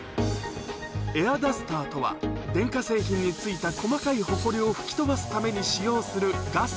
エアダスターとは、電化製品についた細かいほこりを吹き飛ばすために使用するガス。